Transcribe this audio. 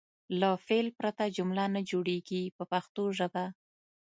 له فعل پرته جمله نه جوړیږي په پښتو ژبه.